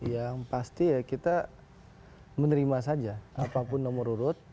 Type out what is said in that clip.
yang pasti ya kita menerima saja apapun nomor urut